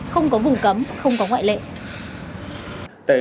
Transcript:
không có vùng cấm không có ngoại lệ